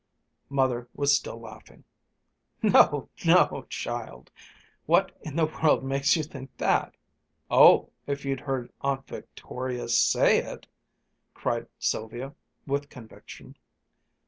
Mother was still laughing. "No, no, child, what in the world makes you think that?" "Oh, if you'd heard Aunt Victoria say it!" cried Sylvia with conviction.